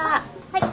はい。